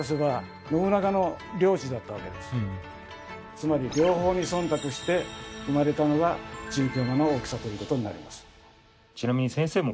つまり両方に忖度して生まれたのが中京間の大きさということになります。